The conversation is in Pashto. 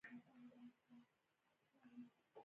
د پاولو کویلیو ژوند او شخصیت: